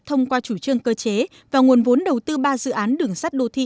thông qua chủ trương cơ chế và nguồn vốn đầu tư ba dự án đường sắt đô thị